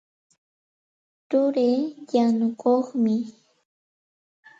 Turii yanukuqmi.